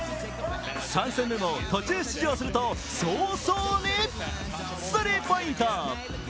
３戦目の途中出場すると早々にスリーポイント！